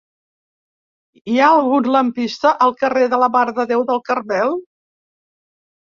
Hi ha algun lampista al carrer de la Mare de Déu del Carmel?